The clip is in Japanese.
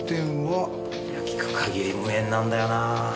聞く限り無縁なんだよなぁ。